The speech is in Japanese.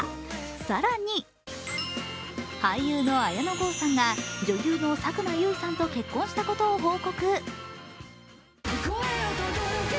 更に俳優の綾野剛さんが女優の佐久間由衣さんと結婚したことを報告。